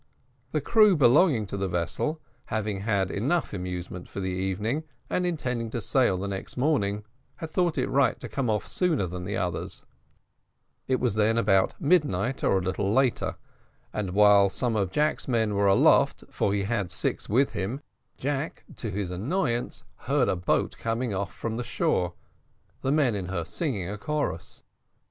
The crew belonging to the vessel, having had enough amusement for the evening, and intending to sail the next morning, had thought it right to come off sooner than the others: it was then about midnight or a little later, and while some of Jack's men were aloft, for he had six with him, Jack, to his annoyance, heard a boat coming off from the shore, the men in her singing a chorus.